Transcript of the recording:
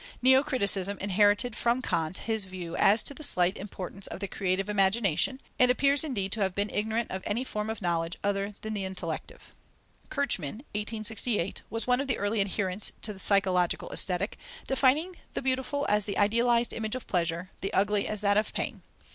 Neo criticism inherited from Kant his view as to the slight importance of the creative imagination, and appears indeed to have been ignorant of any form of knowledge, other than the intellective. Kirchmann (1868) was one of the early adherents to psychological Aesthetic, defining the beautiful as the idealized image of pleasure, the ugly as that of pain.